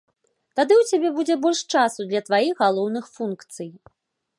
Тады ў цябе будзе больш часу для тваіх галоўных функцый.